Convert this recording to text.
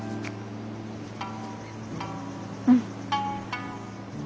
うん。